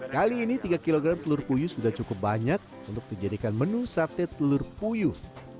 kali ini tiga kg telur puyuh sudah cukup banyak untuk dijadikan menu sate telur puyuh